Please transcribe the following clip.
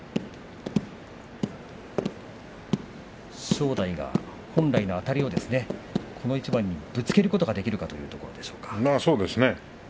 正代が本来のあたりをこの一番にぶつけることができるかどうか。